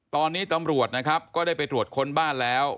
ตอนนี้ตำรวจนะครับก็ได้ไปตรวจค้นบ้านแล้ว